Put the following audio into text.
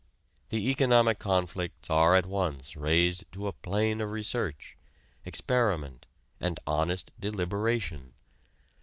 The economic conflicts are at once raised to a plane of research, experiment and honest deliberation.